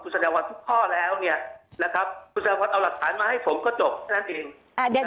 คุณแสนพรผู้ข้อแล้วคุณแสนพรเอาลักษณะมาให้ผมก็จบตั้งแต่หนึ่ง